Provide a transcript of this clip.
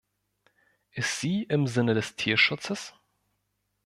Ist sie im Sinne des Tierschutzes?